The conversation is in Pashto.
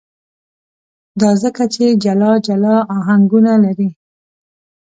دا ځکه چې جلا جلا آهنګونه لري.